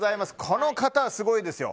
この方はすごいですよ